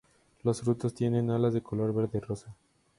Los frutos tienen alas de color verde-rosa.